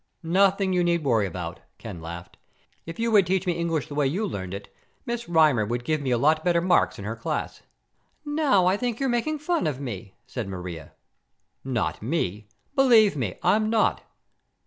"Nothing you need to worry about," Ken laughed. "If you would teach me English the way you learned it, Miss Rymer would give me a lot better marks in her class." "Now I think you're making fun of me," said Maria. "Not me. Believe me, I'm not!